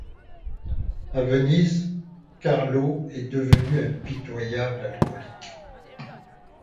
A Venise, Carlo est devenu un pitoyable alcoolique.